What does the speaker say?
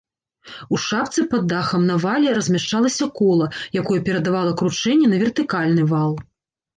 У шапцы пад дахам на вале размяшчалася кола, якое перадавала кручэнне на вертыкальны вал.